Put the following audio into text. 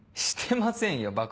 してませんよ